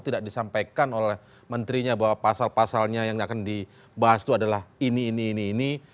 tidak disampaikan oleh menterinya bahwa pasal pasalnya yang akan dibahas itu adalah ini ini ini ini